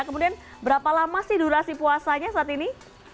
kemudian berapa lama sih durasi puasanya saat ini